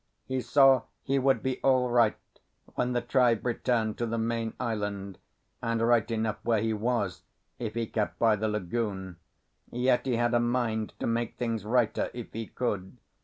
He saw he would be all right when the tribe returned to the main island, and right enough where he was, if he kept by the lagoon, yet he had a mind to make things righter if he could.